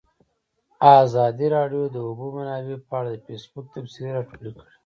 ازادي راډیو د د اوبو منابع په اړه د فیسبوک تبصرې راټولې کړي.